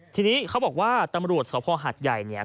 ทีนี้เขาบอกว่าตำรวจสภหัดใหญ่เนี่ย